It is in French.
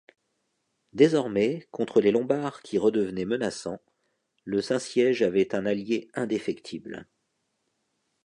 Désormais, contre les Lombards qui redevenaient menaçants, le Saint-Siège avait un allié indéfectible.